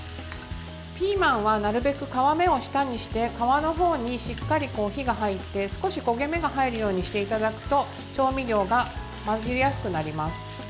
ピーマンはなるべく皮目を下にして皮の方にしっかり火が入って少し焦げ目が入るようにしていただくと調味料が混じりやすくなります。